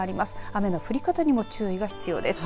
雨の降り方にも注意が必要です。